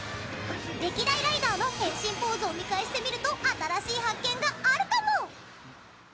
歴代ライダーの変身ポーズを見返してみると新しい発見があるかも！